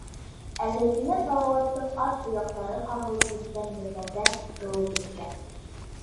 Ә Зәйтүнә Салауаттың ат тояҡтары ҡағылып үткән ерҙәрҙә тыуып үҫкән.